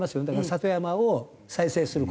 里山を再生する事。